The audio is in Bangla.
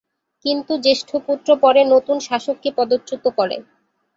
কিন্তু জ্যেষ্ঠ পুত্র পরে নতুন শাসককে পদচ্যুত করে।